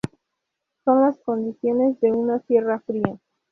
Son las condiciones de una Sierra fría.